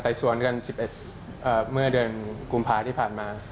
ตายสวนเวลา๑๑แต่เมื่อเดือนกลุ่มภาคม